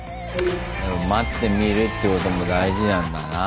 待ってみるってことも大事なんだな。